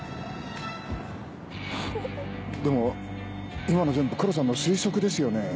でも今の全部黒さんの推測ですよね？